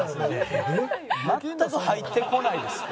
全く入ってこないですって。